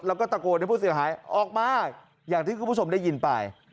แล้วก็ตะโกนให้ผู้เสียหายออกมาอย่างที่คุณผู้ชมได้ยินไป